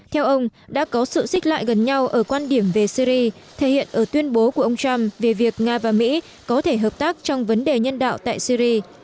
theo ông đã có sự xích lại gần nhau ở quan điểm về syri thể hiện ở tuyên bố của ông trump về việc nga và mỹ có thể hợp tác trong vấn đề nhân đạo tại syri